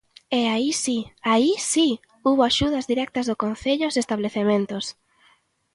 E aí si, ¡aí si!, houbo axudas directas do Concello aos establecementos.